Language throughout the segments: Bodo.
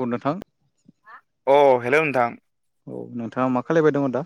अ नोंथां अह हेल' नोंथां औ नोंथाङा मा खालायबाय दङ दा?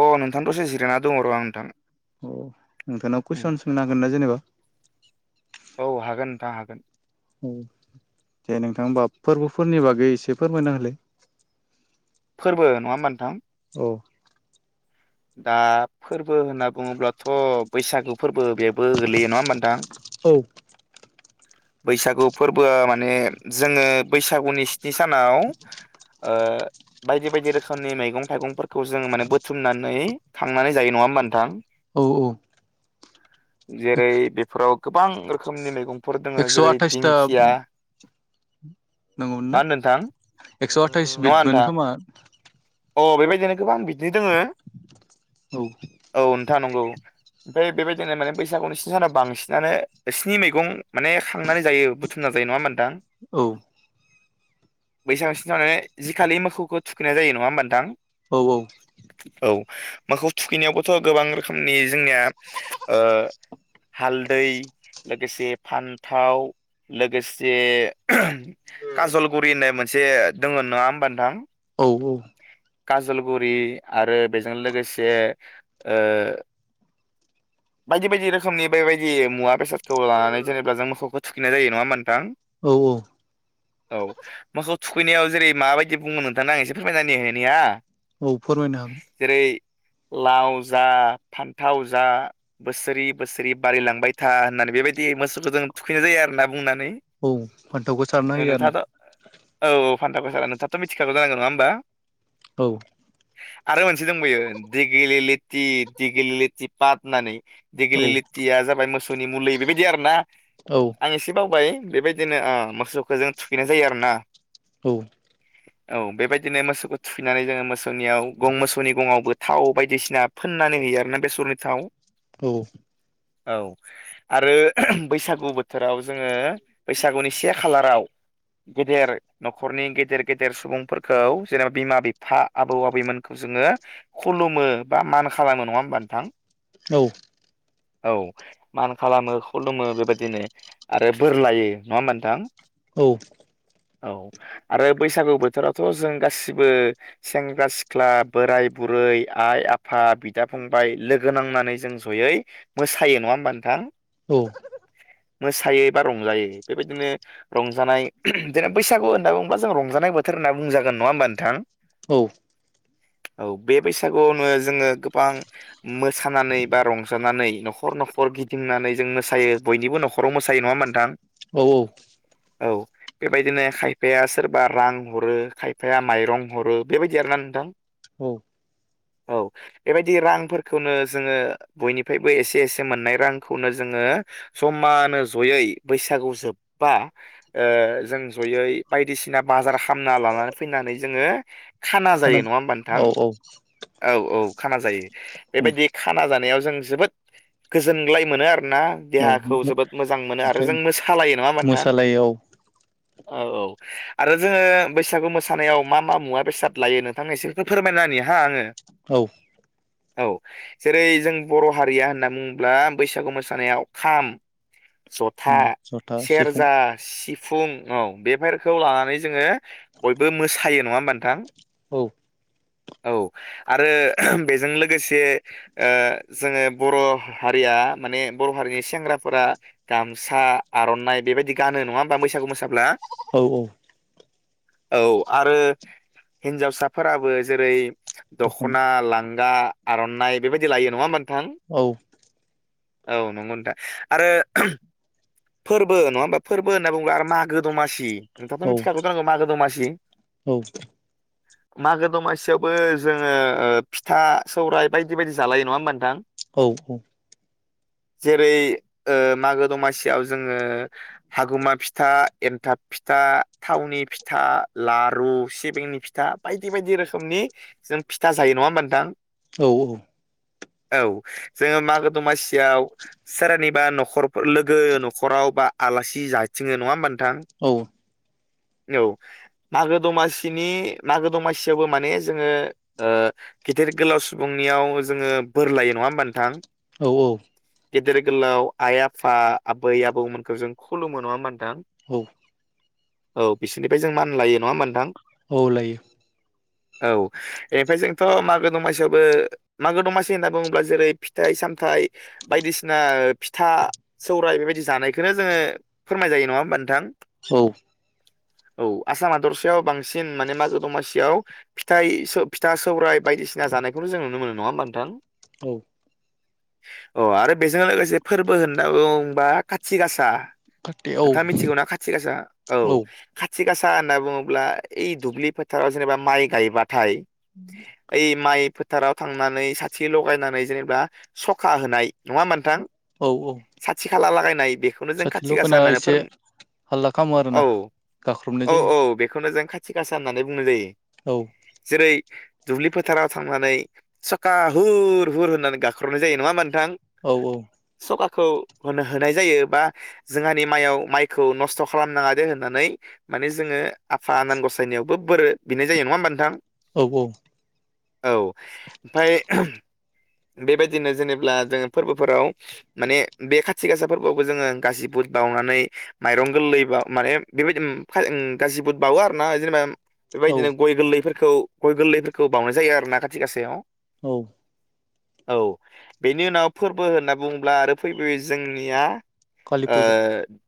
अ नोंथां दसे जिरायना दङ र' आं नोंथां अ नोंथांनाव उम कुइसन सोंनो हागोन ना जेनेबा? औ हागोन नोंथां हागोन औ दे नोंथां होमबा फोरबोफोरनि बागै एसे फोरमायना होलै फोरबो नङा होमबा नोंथां? औ दा फोर फोरबो होनना बुङोब्लाथ' बैसागु फोरबो बेबो गोलैयो नङा होमबा नोंथां? औ बैसागु फोरबोआ माने जोङो बैसागुनि- निसानाव ओ बायदि-बायदि रोखोमनि मैगं थाइगंफोरखौ जों माने बुथुमनानै थांनानै जायो नङा होमबा नोंथां ऊ जेरै बेफोराव गोबां रोखोमनि मैगं फोर दङ एक्स' जेरै आथाइसथा दिंखिया नंगौमोन मा ना होनो नोंथां एक्स' आथाइस नङा बिद नोंथां मोनखोमा अ बेबायदिनो गोबां बिदिनो दङो औ खोन्था नंगौ ओमफ्राय बेबायदिनो माने बैसागु नोंसिनि सानाव बांसिनानो स्नि मैगं माने खांनानै जायो बुथुमना जायो नङा होमबा नोंथां औ बैसां सिन थानानै जि खालि मोखौखौ थुखैनाय जायो नङा होमबा- नोंथां औ औ औ मोखौ थुखैनायावबोथ' गोबां रोखोमनि जोंनिया ओ हालदै लोगोसे फान्थाव लोगोसे ओहोम काजलगुरि होननाय मोनसे दङ नङा होमबा नोंथां [unintelligible] काजलगुरि आरो बेजों लोगोसे ओ बायदि-बायदि रोखोमनि बेबायदि मुवा बेसाद थौ लानानै जेनेबा जों मोखौखो थुखैनाय जायो नङा होम थां औ औ मोखौ थुखैनायाव जेरै माबायदि बुंङो नोंथांनो आं एसे फोरमायना होनि निया औ फोरमायनो हा- लाव जा फान्थाव जा बोसोरि बोसोरि बारिलांबाय था होननानै बेबायदि मोसौखौ जों थुखैनाय जायो आरोना बुंनानै औ फान्थावखौ सारना नों होयो आरो ना नोंथाङाथ' औ फान्थावखौ सारना नोंथाङाथ' मिथिखागो जानांगौ नङा होमबा? औ आरो मोनसे दंबायो दिगिलि लेति दिगेलि लेति पाद होननानै औ दिगिलि लेथिया जाबाय मोसौनि मुलि बेबायदि आरो ना औ आं एसे बावबाय। बेबायदिनो ओ मोसौखो जों थुखैनाय जायो आरो ना। औ औ बेबायदिनो मोसौखौ थुखैनानै जोङो मोसौनियाव गं मोसौनि गङावबो थाव बायदिसिना फोननानै होयो आरोना बेसरनि थाव। औ औ आरो बैसागु बोथोराव जोङो बैसागुनि से खालाराव गेदेर न'खरनि गेदेर गेदेर सुबुंफोरखौ जेनेबा बिमा बिफा आबौ आबैमोनखौ जोङो खुलुमो बा मान खालामो नङा होमबा नोंथां? औ औ मान खालामो खुलुमो बेबायदिनो आरो बोर लायो नङा होमबा नोंथां? औ औ आरो बैसागु बोथोरावथ' जों गासि बो सेंग्रा सिख्ला बोराय बुरै आइ आफा बिदा फंबाय लोगो नांनानै जों जयै मोसायो नङा होमबा नोंथां? औ मोसायो बा रंजायो बेबायदिनो रंजानाय जेनेबा बैसागु होनना बुङोबा जों रंजानाय बोथोर होनना बुंजागोन नङा होमबा नोंथां। औ औ बे बैसागुआवनो जोङो गोबां मोसानानै बा रंजानानै न'खर न'खर गिदिंनानै जों मोसायो बयनिबो न'खराव मोसायो नङा नोंथां? औ औ औ बेबायदिनो खायफाया सोरबा रां हरो खायफाया माइरं हरो बेबायदि आरोना नोंथां। औ औ बेबायदि रांफोरखौनो जोङो बयनिफ्रायबो एसे एसे मोननाय रांखौनो जोङो जमानो जयै बैसागु जोबबा ओ‌ जों जयै बायदिसिना बाजार खालामना लानानै जोङो खाना जायो नङा होमबा नोंथां औ औ औ औ। खाना जायो। बेबायदि खाना जानायाव जों जोबोद गोजोनग्लाय मोनो आरो ना देहाखौ ओमफ्राय जोबोद मोजां मोनो आरो जों मोसालायो नङा होनबा नोंथां? मोसालायाव औ औ आरो जोङो बैसागु मोसानायाव मा मा मुवा बेसाद लायो नोंथांनो इसे फोरमायना होनि हा आङो। औ औ जेरै जों बर' हारिया होनना बुङोब्ला बैसागु मोसानायाव खाम ज'था उम जथा सिफुं सेरजा सिफुं फुं औ बेफोरखौ लानानै जोङो बयबो मोसायो। नङा होमबा नोंथां? औ औ आरो बेजों लोगोसे ओ जोङो बर' हारिया माने बर' हारिनि सेंग्राफोरा गामसा आर'नाइ बेबायदि गानो नङा होमबा बैसागु मोसाब्ला? औ औ औ आरो हिन्जावसाफोराबो जेरै दख'ना लांगा आर'नाइ बेबायदि लायो नङा होमबा नोंथां औ औ नंगौथा आरो फोरबो नङा होमबा फोरबो होनना बुङोब्ला आरो मागो दमासि नोंथाथ औ मिथिखागो जानांगौ मागो दमासि औ मागो दमासियावबो जोङो फिथा सौरायाइ बायदि बायदि जालायो नङा होमबा नोंथां औ औ जेरै ओ मागो दमासि याव जोङो हागुमा फिथा एन्थाब फिथा थावनि फिथा लारु सिबिंनि फिथा बायदि बायदि रोखोमनि जों फिथा जायो नङा होमबा नोंथां औ औ जोङो मागो दमासियाव सोरानिबा न'खर लोगो न'खराव बा आलासि जाथिङो नङा होमबा नों औ औ मागो दमासिनि मागो दमासियावबो माने जोङो ओ गेदेर गोलाव सुबुंनियाव जोङो बोर लायो नङा होमबा नोंथां औ औ गेदेर गोलाव आइ आफा आबै आबौमोनखौ जों खुलुम मोनो नङा होमबा नोंथां थां औ औ बिसोरनिफ्राय जों मान लायो नङा होमबा नोंथां औ लायो औ बेनिफ्राय जोंथ' मागो दमासियावबो मागो दमासि होनना बुङोब्ला जेरै फिथाइ सामथायाइ बायदिसिना फिथा सौरायाइ बे बि जानायखौनो जोङो फोरमाय जायो नङा होमबा नोंथां औ औ आसाम हादरसायाव बांसिन माने मागो दमासियाव फिथ फिथा सौरायाइ बायदिसिना जानायखौनो जों नुनो मोनो नङा होमबा नोंथां औ अ आरो बेजों लोगोसे फोरबो होनना बुंबा खाथि गासा खाथि औ नोंथाङ मिथिगौना खाथि गासा औ खाथि गासा होनना बुङोब्ला इ दुब्लि फोथाराव जेनेबा माइ गायबाथाय ओइ माइ फोथाराव थांनानै साथि लगायनानै जेनेबा सखा होनाय नङा होमबा नोंथां साथि खाला लागाय साथिल'खना एसे हालला खालामो औ आरोना औ गाख्रबनाय जायो औ बेखौनो जों खाथि गासा सा होननानै बुंनाय जायो औ बै दुब्लि फोथाराव थांनानै सखा हुर हुर होननानै गाख्रबनाय जायो नङा होमबा थां औ औ सका खौ होनो होनाय जायो बा जोंहानि माइआव माइखौ नस्थ' खालामनाङा दे होननानै माने जोङो आफा आनान गसायनायावबो बोरो बिनाय जायो नङा होमबा नोंथां? औ औ । औ ओमफ्राय बेबायदिनो जेनेब्ला जोङो फोरबोफोराव माने बे खाथि गासा फोरबोआवबो जोङो गाजिबुद बाउनानै माइरं गोरलै बा माने बेबायदि उम उम गासिबो बावो आरोना जेनेबा औ बेबायदिनो गय गोरलैफोर खौ गय गोरलैफोरखौ बावनाय जायो आरोना खाथिग आसायाव औ । औ बेनि उनाव फोरबो होनना बुङोब्ला आरो फैबोयो जोंनिया कालि ओ फुजा ।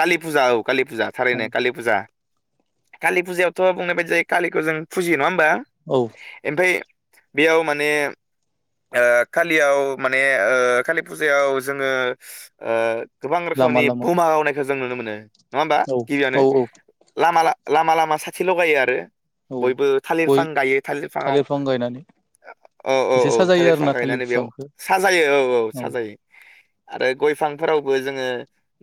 कालि फुजा औ कालि फुजा औ थारैनो कालि फुजा कालि फुजायावथ' बुंनाय बायदि जायो कलिखौ जों फुजियो नङा होम बा औ ओमफ्राय बेयाव माने ओ खालियाव माने ओ कालि फुजायाव जोङो ओ गोबां लामा रोखोमनि लामा बमा गावनायखौ जों नुनो मोनो । औ गिबियावनो औ औ लामा ला-लामा ला मा साथि लगायो आरो । औ बयबो गय थालिरफां गायो थालिरफांङाव थालिर बिफां गायनानै औ औ एसे औ साजायो थालिरफां आरोना थालिर गायनानै बेयाव बिफांखौ साजायो औ औ साजायो आरो गयफांफोरावबो जोङो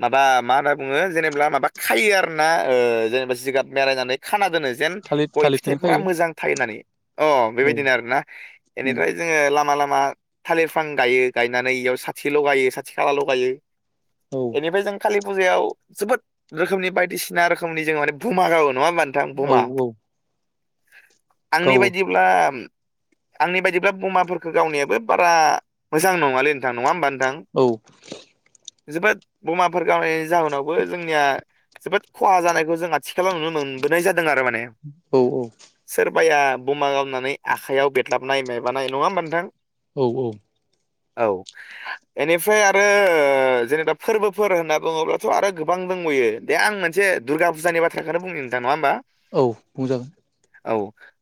माबा मा होनना बुङो जेनेब्ला माबा खायो आरोना ओ जेनेबा जिगाब बेरायनानै खाना जेन थालिर गय थालिरखौनो फिथाइफोरा खायो मोजां थायो होननानै अ' औ बेबायदिनो आरोना उम बेनिफ्राय जोंङो लामा लामा मा थालिर फां गायो गायनानै इयाव साथि ल'गायो साथि खाला ल'गायो । औ बेनिफ्राय जों खालि फुजायाव जोबोद रोखोमनि बायदिसिना रोखोमनि जों माने बुमा गावो। नङाबा नोंथां औ बुमा? औ [unintelligible] आंनि गाव बायदिब्ला उम आंनि बायदिब्ला बमाफोरखौ गावनायाबो बारा मोजां नङालै नोंथां नङा होमबा नोंथां औ । जोबोद बमाफोर गावो जाहोनावबो जोंनिया जोबोद खहा जानायखौ जों आथिखालाव नुनो मोन बोनाय जा औ-औ माया बमा गावनानै आखाइयाव बेदलाबनाय मायबानाय नङा होमबा नोंथां-? औ-औ औ एनिफ्राय आरो जेनेबा फोरबोफोर होनना बुङोब्लाथ' आरो गोबां दंबायो दे आं मोनसे दुरगा फुजानि बाथ्राखोनो बुंनि नोंथां नङा होमबा औ बुंजागोन। औ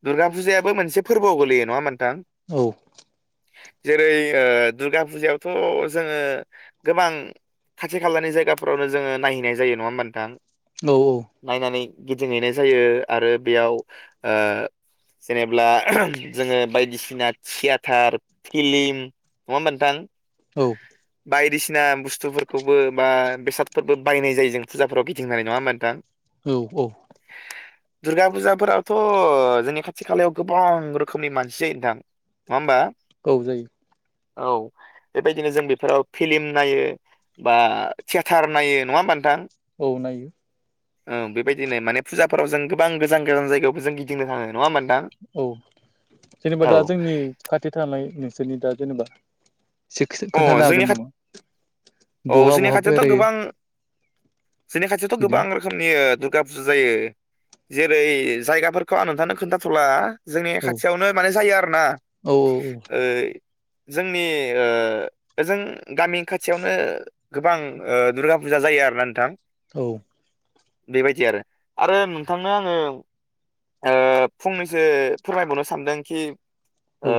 दुर्गा फुजायाबो मोनसे फोरबोआव गोलैयो नङा होमबा नों औ जेरै दुर्गा फुजायावथ' जोङो गोबां खाथि खालानि जायगाफोरावनो जोङो नायहैनाय जायो नङा होमबा औ औ [unintelligible] नायनानै गिदिंहैनाय जायो आरो बेयाव जेनेब्ला जोङो बायदिसिना थियाटार फिलिम नङा होमबा नोंथां? औ बायदिसिना बुस्थुफोरखौबो बा बेसादफोरबो बायनाय जायो जों फुजाफोराव गिंदिंनानै नङाओमबा नोंथां औ औ दुर्गा फुजाफोराथ' जोंनि खाथि खालायाव गोबां रोखोमनि मानसि जायो नोंथां नङा ओमबा। औ जायो। औ बेबायदिनो जों बेफोराव फिलिम नायो बा थियेटार नायो नङा होमबा नोंथां? औ नायो। ओ बेबायदिनो माने फुजाफोराव जों गोबां गोजान गोजान जायगायावबो जों गिदिंनो थाङो नङा होमबा नोंथां औ जेनेबा औ दा जोंनि खाथि थानाय जोंनि नि दा जेनेबा एसे अ खोन्थानो हागोन जोंनि खा नामा औ बहा जोंनि बहा खाथियावथ' बेरायो गोबां जोंनि खाथियावथ' गोबां बिदिनो रोखोमनि औ दुर्गा फुजा जायो जेरै जायगाफोरखौ आं नोंथांनो खोन्थाथ'ला जोंनि औ खाथियावनो माने जायो आरो ना औ ओ जोंनि ओ ओ ओजों गामि खाथियावनो गोबां ओ दुर्गा फुजा जायो आरोना नोंथां। औ बेबायदि आरो आरो नोंथांनो आङो फंनैसो फोरमायबावनो सानदों खि औ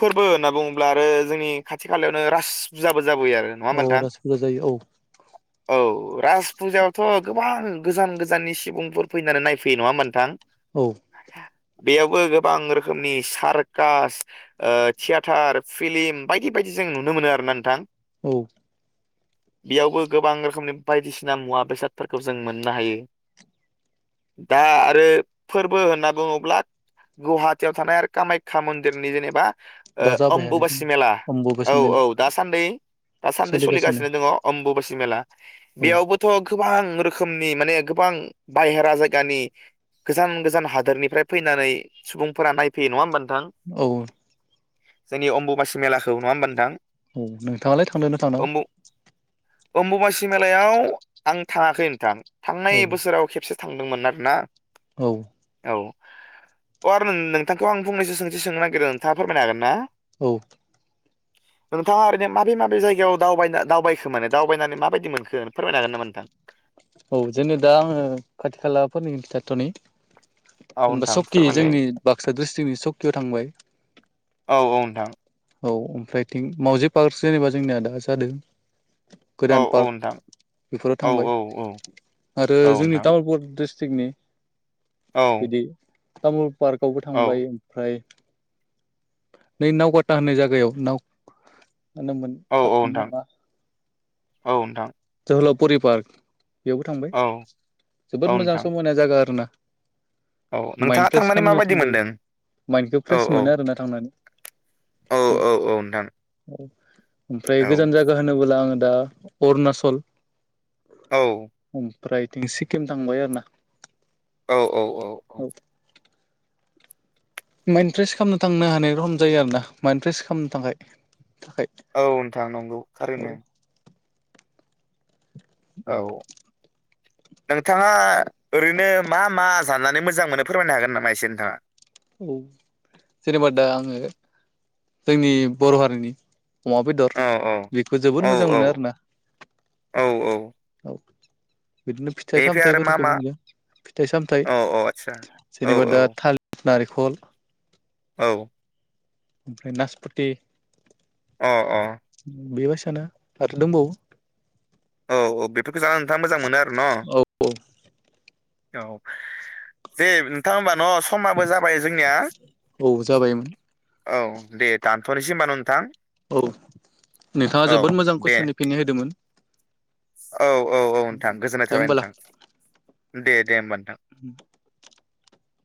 फोरबो होनना बुङो आरो जोंनि खाथि खालायावनो राज फुजाबो होयो आरो नङा होनबा औ नोंथां रास फुजा जायो औ औ राज फुजायावथ' गोबां गोजान गोजाननि सुबुंफोर फैनानै नायफैयो नङाहोमबा नोंथां? औ बेयावबो गोबां रोखोमनि सारकास, ओ थियेटार, फिलिम बायदि बायदि जों नुनो मोनो आरो ना नोंथां? औ। बेयावबो गोबां रोखोमनि बायदिसिना मुवा बेसादफोरखौ जों मोननो हायो। दा आरो फोरबो होनना बुङोब्ला गुवाहाटियाव थानाय आरो कामाख्या मन्दिरनि जेनेबा ओ दा जाबाय आरो जों अम्बुबासि मेला औ अम्बुबासि औ मेला दासान्दि दासान्दि सोलिगासिनो सलिगासिनो दङ आम्बुुबा सि मेला। औ बेयावबोथ' गोबां रोखोमनि माने गोबां बाहेरा जायगानि गोजान गोजान हादोरनिफ्राय फैनानै सुबुंफोरा नायफैयो नङा होमबा नों औ। जोंनि अम्बुबासि मेलाखौ नङा होमबा नोंथां? औ नोंथाङालाय थांदोंना थांनामा? अमबुबासि मेलायाव आं थाङाखै नोंथां। थांनाय औ बोसोराव खेबसे थांदोंमोन आरो ना? औ। अ आरो नोंथांखौ आं फंनैसो सोंथि सोंनो नागिरो नोंथाङा फोरमायनो हागोन ना? औ। नोंथाङा ओरैनो माबे माबे जायगायाव दावबायना दावबायखो माने दावबायनानै माबायदि मोनखो फोरमायनो हागोन नामा नोंथां? औ जेननो दा आङो खाथि खालाफोरनि खिथाथ'नि। औ जेनेबा नोंथां सकि फोरमायलाय जोंनि बाक्सा द्रिस तिकनि सकियाव थांबाय। औ औ नोंथां। औ ओमफ्राय थिं मावजि पार्क जेनेबा जोंनिया दा जादों। औ गोदान औ पार्क नोंथां बेफोराव औ थांबाय। औ औ आरो जोंनि नोंथां तामुलपुर स्ट्रि टिगनि औ बिदि थामुल पार्कआवबो औ थांबाय। ओमफ्राय नै नावकाता होननाय जायगायाव नाव मा नाम मोन औ औ पार्कनि नोंथां नामा औ नोंथां जोहोलाव फुरि पार्क। बेयावबो थांबाय औ जोबोद मोजां नोंथां समायना जायगा आरोना। औ नोंथाङा माइन्द फ्रेस थांनानै खालामनो माबायदि थांजायो मोनदों? माइन्दखौ औ फ्रेस औ मोनो आरोना थांनानै औ औ औ नोंथां। औ ओमफ्राय औ गोजान जागा होनोबला आङो दा अरुणाचल। औ। ओमफ्रायथिं सिक्किम थांबाय आरो ना औ औ औ औ माइन्द फ्रेस खामनो थांनो हानाय रखम जायो आरो ना माइन्द फ्रेस खामनो थाखाय थाखाय। औ नोंथां नंगौ। खारैनो औ औ नोंथाङा ओरैनो मा मा जानानै मोजां मोनो फोरमायनो हागोन नामा एसे नोंथाङा? औ जेनेबा दा आङो जोंनि बर हारिनि अमा बेदर औ औ बेखौ जोबोद औ मोजां औ मोनो आरोना औ औ औ [inaudible] बिदिनो फिथाइ बेनिफ्राय आरो मा सामथायाइफोरखौ मा बुंदों फिथाइ सामथाइ औ औ आदसा औ जेनेबा औ दा थालिर नारिखल औ। ओमफ्राय नासपथि अ बेबायसा खोना आरो दंबावो औ औ बेफोरखौ जाना नोंथाङा मोजां मोनो आ न? औ औ औ जे नोंथां हमबा न समाबो जाबाय जोंनिया। औ जाबायमोन औ दे दानथनोसै होनबा न नोंथां। औ नोंथाङा औ जोबोद मोजां कुइसननि फिननाय होदोमोन। स। औ औ औ नोंथां गोजोननाय दे थाबाय नोंथां। दे दे होमबा। उ।